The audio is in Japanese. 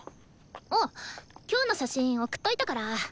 あっ今日の写真送っといたから。